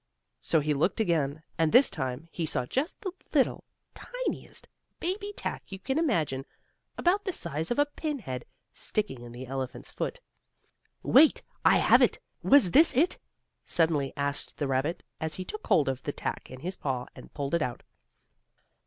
So he looked again, and this time he saw just the little, tiniest, baby tack you can imagine about the size of a pinhead sticking in the elephant's foot. "Wait! I have it! Was this it?" suddenly asked the rabbit, as he took hold of the tack in his paw and pulled it out.